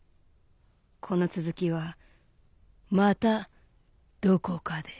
この続きはまたどこかで。